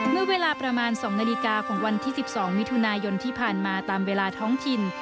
เมื่อเวลาประมาณ๒นาฬิกาของวันที่๑๒มิถุนายนที่ผ่านมาตามเวลาท้องถิ่น